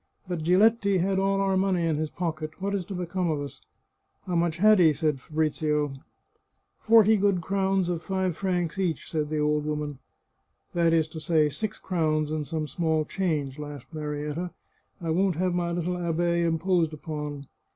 But Giletti had all our money in his pocket. What is to become of us ?"" How much had he ?" said Fabrizio. " Forty good crowns of five francs each," said the old woman. " That is to say, six crowns and some small change," laughed Marietta. " I won't have my little abbe imposed upon."